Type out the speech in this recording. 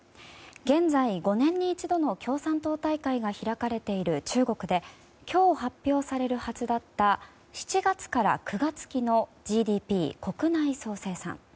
現在、５年に一度の共産党大会が開かれている中国で今日発表されるはずだった７月から９月期のＧＤＰ・国内総生産。